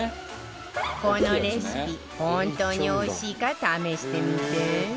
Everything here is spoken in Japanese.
このレシピ本当においしいか試してみて